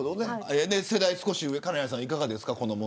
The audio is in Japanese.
世代が少し上の金谷さんいかがですか。